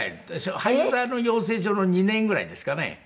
俳優座の養成所の２年ぐらいですかね。